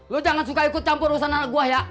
lu jangan suka ikut campur usaha anak gua ya